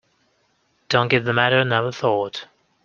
Don't give the matter another thought.